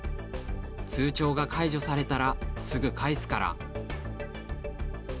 通帳が解除されたら、すぐ返すから。